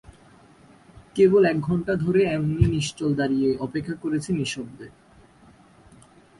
কেবল এক ঘণ্টা ধরে এমনি নিশ্চল দাঁড়িয়ে অপেক্ষা করেছি নিঃশব্দে।